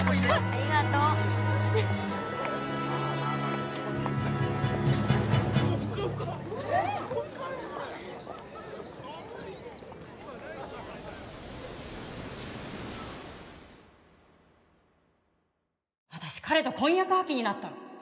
ありがとう私彼と婚約破棄になったの